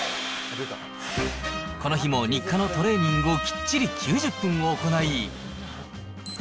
この日も日課のトレーニングをきっちり９０分行い。